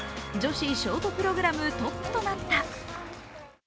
女子ショートプログラムトップとなった。